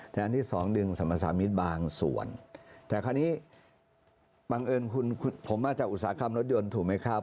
อันที่สองดึงสรรพสามิตรบางส่วนแต่คราวนี้บังเอิญคุณผมมาจากอุตสาหกรรมรถยนต์ถูกไหมครับ